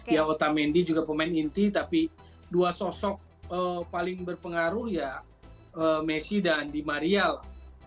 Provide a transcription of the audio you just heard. ya otamendi juga pemain inti tapi dua sosok paling berpengaruh ya messi dan di marial